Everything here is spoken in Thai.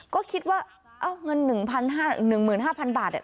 ก็คิดว่าเอ้าเงินหนึ่งพันห้าหนึ่งหมื่นห้าพันบาทน่ะ